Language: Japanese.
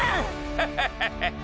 ハハハハハ！